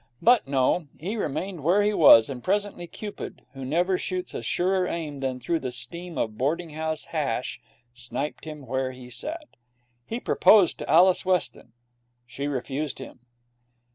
But no, he remained where he was, and presently Cupid, who never shoots with a surer aim than through the steam of boarding house hash, sniped him where he sat. He proposed to Alice Weston. She refused him.